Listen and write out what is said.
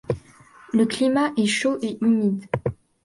Le climat est chaud et humide.